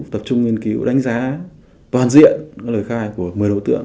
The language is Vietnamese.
tập trung nghiên cứu đánh giá toàn diện lời khai của một mươi đối tượng